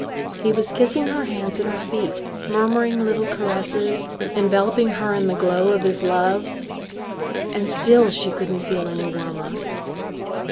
He was kissing her hands and her feet, murmuring little caresses, enveloping her in the glow of his love. And still she couldn't feel any warmer.